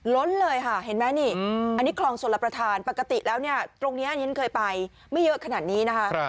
ล้นเลยค่ะเห็นไหมนี่